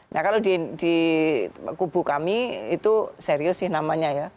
nah kalau di kubu kami itu serius sih namanya ya